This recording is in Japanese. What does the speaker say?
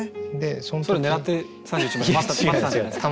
それ狙って３１まで待ってたんじゃないですか？